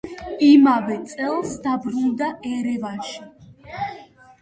იმავე წელს დაბრუნდა ერევანში.